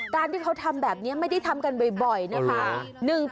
การที่เขาทำแบบนี้ไม่ได้ทำกันบ่อยนะคะ